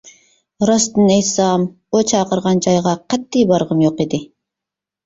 راستىنى ئېيتسام، ئۇ چاقىرغان جايغا قەتئىي بارغۇم يوق ئىدى.